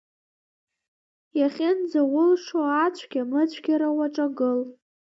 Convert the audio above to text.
Иахьынӡаулшо ацәгьа-мыцәгьара уаҿагыл.